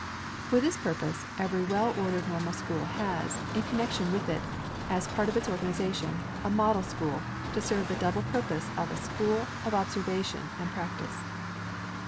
For this purpose every well ordered Normal School has, in connection with it, as a part of its organization, a Model School, to serve the double purpose of a school of observation and practice.